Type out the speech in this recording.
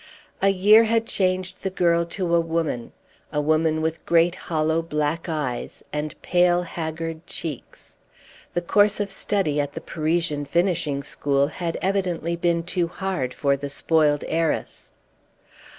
A year had changed the girl to a woman a woman with great hollow black eyes, and pale, haggard cheeks. The course of study at the Parisian finishing school had evidently been too hard for the spoiled heiress.